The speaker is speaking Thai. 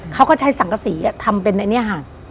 เขาก็ใช้สังกษีทำเป็นอะไรเนี่ยฮะ